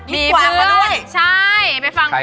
มีกวางไปด้วย